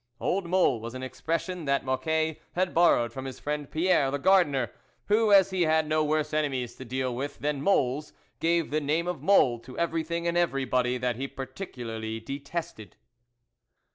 " Old mole was an expression that Moc quet had borrowed from his friend Pierre, the gardener, who, as he had no worse enemies to deal with than moles, gave the name of mole to everything and everybody that he particularly detested.